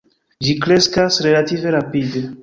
Ĝi kreskas relative rapide.